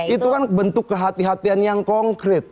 itu kan bentuk kehatian yang konkret